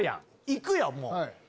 行くよもう。